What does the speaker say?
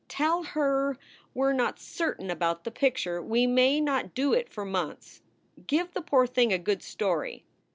Tell her, we re not certain about the picture; we may not do it for months. Give the poor thing a good story."